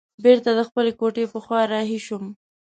بیرته د خپلې کوټې په خوا رهي شوم.